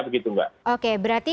begitu mbak oke berarti